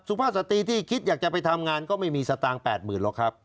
สุภาพสตรีที่คิดอยากจะไปทำงานก็ไม่มีสตางค์๘๐๐๐หรอกครับ